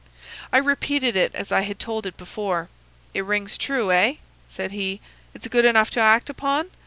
"I repeated it as I had told it before. "'It rings true, eh?' said he. 'It's good enough to act upon?